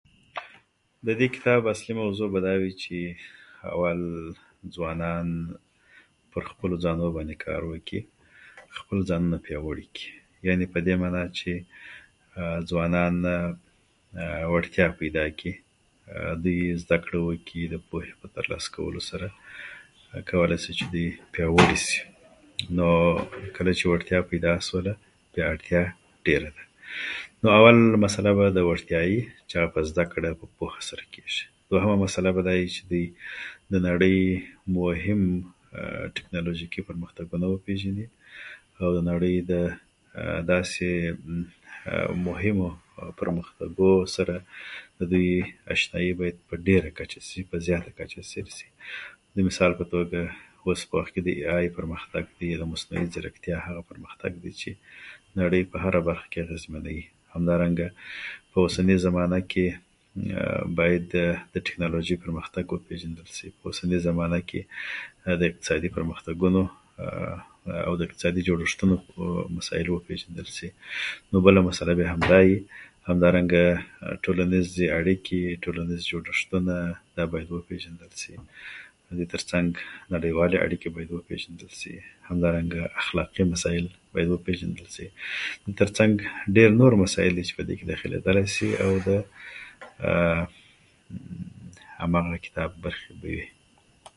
د دې کتاب اصلي موضوع به دا وي چې اول ځوانان په خپلو ځانو باندې کار وکړي، خپل ځانونه پیاوړي کړي، یعنې په دې معنا چې اممم ځوانان وړتیا پیدا کړي. دوی زده کړه وکړي، د پوهې ترلاسه کولو سره کولای شي چې دوی پیاوړي شي، نو کله چې وړتیا پیدا شوله بیا اړتیا ډېره ده. نو اوله مسئله به د وړتیا وي چې هغه په زده کړه په پوهه سره کېږي، دویمه مسئله به دا وي چې دوی به د نړۍ مهم ټکنالوژي کې پرمختګونه وپېژني او د نړۍ د داسې مهمو پرمختګونو سره به آشنايي باید په ډېره کچه شي، په زیاته کچه شي پسې د مثال په توګه اوس په وخت کې د ای آی پرمختګ دی د مصنوعي زیرکتیا چې هغه پرمختګ دی، نړۍ په هره برخه کې اغېزمنوي.همدا رنګه په اوسنی زمانه کې باید د ټکنالوژی پرمختګ وپېژندل شي، په اوسنۍ زمانه کې دا د اقتصادي پرمختګونو او اقتصادي جوړښتونو وپېژندل شي.نو بله مسئله به یې هم دا وي. همدارنګه ټولنیزې اړیکې، ټولنیز جوړښتونه دا باید وپېژندل شي، د دې تر څنګ نړیوالې اړیکې باید وپېژندل شي. همدارنګه اخلاقي مسایل باید وپېژندل شي. د دې تر څنګ ډېر نور مسایل دي چې په دې کې دخیل دي.دغسې او د همدغه کتاب برخې به وي.